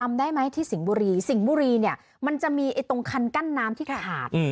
ได้ไหมที่สิงห์บุรีสิงห์บุรีเนี่ยมันจะมีตรงคันกั้นน้ำที่ขาด